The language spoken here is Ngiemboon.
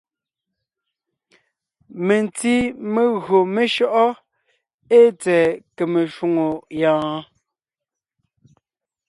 Mentí metÿǒ meshÿɔʼɔ́ ée tsɛ̀ɛ kème shwòŋo yɔɔn?